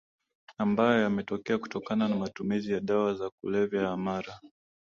ambayo yametokea kutokana na matumizi ya dawa za kulevya ya mara